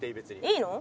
いいの？